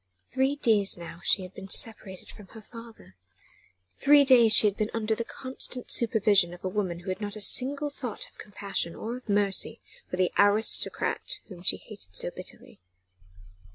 Three days now she had been separated from her father three days she had been under the constant supervision of a woman who had not a single thought of compassion or of mercy for the "aristocrat" whom she hated so bitterly.